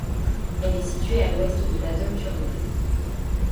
Elle est située à l'ouest de l' atoll Turneffe.